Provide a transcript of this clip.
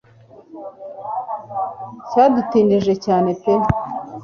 cyadutindije cyane pe